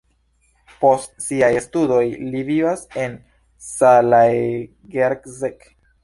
Post siaj studoj li vivas en Zalaegerszeg.